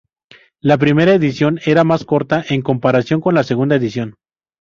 La primera edición era más corta en comparación con la segunda edición.